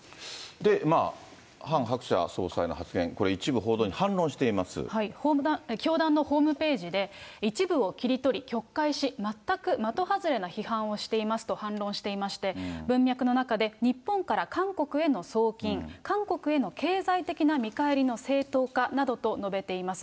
まあ、ハン・ハクチャ総裁の発言、これ一部報道に反論してい教団のホームページで、一部を切り取り曲解し、全く的外れな批判をしていますと反論していまして、文脈の中で、日本から韓国への送金、韓国への経済的な見返りの正当化などと述べています。